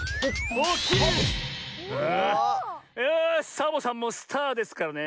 サボさんもスターですからね